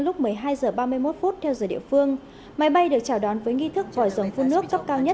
lúc một mươi hai h ba mươi một theo giờ địa phương máy bay được chào đón với nghi thức vòi dòng phun nước cấp cao nhất